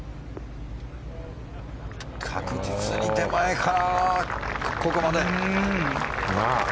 確実に手前からここまで。